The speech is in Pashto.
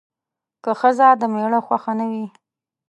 که ښځه د میړه خوښه نه وي